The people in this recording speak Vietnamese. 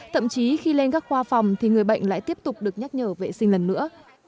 thậm chí khi lên các khoa phòng thì người bệnh lại tiếp tục được nhắc nhở vệ sinh lần nữa